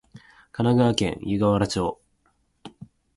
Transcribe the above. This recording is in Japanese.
神奈川県湯河原町